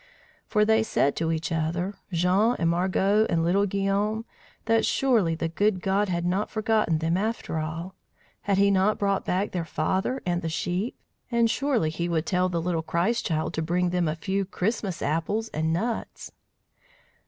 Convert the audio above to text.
For they said to each other, Jean, and Margot, and little Guillaume, that surely the good God had not forgotten them after all! Had he not brought back their father and the sheep? And surely he would tell the little Christ child to bring them a few Christmas apples and nuts!